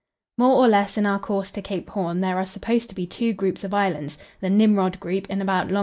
More or less in our course to Cape Horn there are supposed to be two groups of islands, the Nimrod group in about long.